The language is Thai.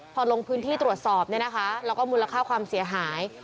พอลงพื้นที่ตรวจสอบเนี่ยนะคะแล้วก็มูลค่าความเสียหาย